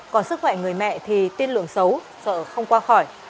còn sức khỏe người mẹ thì tiên lượng xấu sợ không qua khỏi